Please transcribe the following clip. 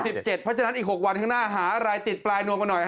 เพราะฉะนั้นอีก๖วันข้างหน้าหาอะไรติดปลายนวมกันหน่อย